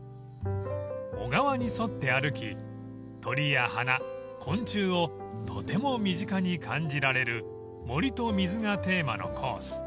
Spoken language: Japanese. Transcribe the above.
［小川に沿って歩き鳥や花昆虫をとても身近に感じられる森と水がテーマのコース］